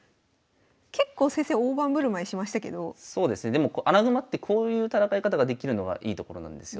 でも穴熊ってこういう戦い方ができるのがいいところなんですよ。